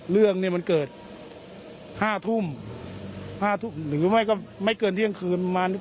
เรื่องเนี้ยมันเกิดห้าทุ่มห้าทุ่มหรือไม่ก็ไม่เกินเที่ยงคืนประมาณนี้